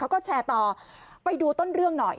เขาก็แชร์ต่อไปดูต้นเรื่องหน่อย